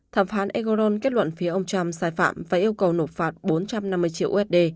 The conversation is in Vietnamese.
thẩm phán egoron kết luận phía ông trump sai phạm và yêu cầu nộp phạt bốn trăm năm mươi triệu usd